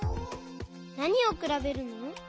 なにをくらべるの？